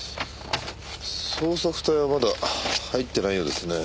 捜索隊はまだ入ってないようですね。